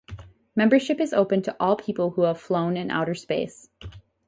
Membership is open to all people who have flown in outer space.